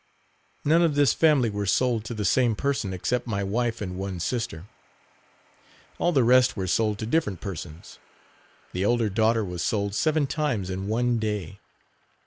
None of this family were sold to the same person except my wife and one sister. All the rest were sold to different persons. The elder daughter was sold seven times in one day.